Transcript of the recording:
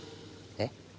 えっ？